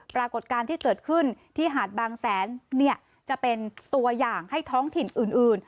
ปรากฏการณ์ที่เกิดขึ้นที่หาดบางแสนจะเป็นตัวอย่างให้ท้องถิ่นอื่น